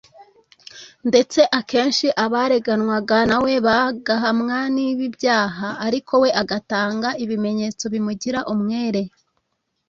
ndetse akenshi abareganwaga na we bagahamwa n’ibi byaha ariko we agatanga ibimenyetso bimugira umwere